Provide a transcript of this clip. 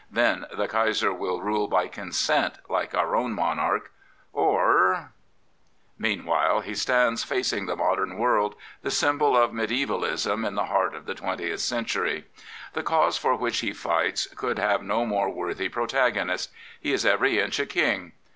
Then the Kaiser will rule by consent, like our own monarch, or Meanwhile he stands, facing the modern world, the symbol of mediae valism in the heart of the Twentieth Century. The cause for which he fights could have no more worthy protagonist. He is every inch a King.